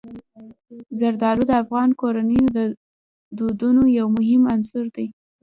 زردالو د افغان کورنیو د دودونو یو مهم عنصر دی.